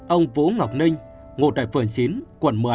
ông vũ ngọc ninh ngụ tại phường chín quận một mươi